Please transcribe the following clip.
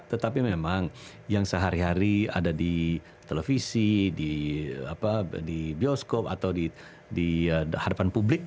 tetapi memang yang sehari hari ada di televisi di bioskop atau di hadapan publik